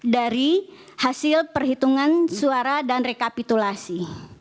dari hasil perhitungan suara dan rekapitulasi